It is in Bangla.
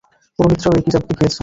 পুরোহিতরাও একই জাদু দেখিয়েছে।